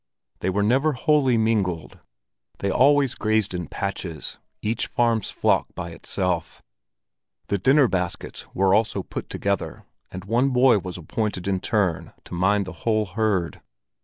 They were never wholly mingled; they always grazed in patches, each farm's flock by itself. The dinner baskets were also put together, and one boy was appointed in turn to mind the whole herd.